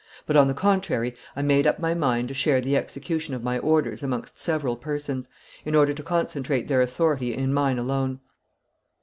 But, on the contrary, I made up my mind to share the execution of my orders amongst several persons, in order to concentrate their authority in my own alone.